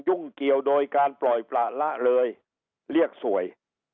ยุ่งเกี่ยวโดยการปล่อยประละเลยเรียกสวย